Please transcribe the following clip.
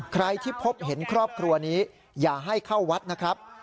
ใครที่พบเห็นครอบครัวนี้อย่าให้เข้าวัดนะครับ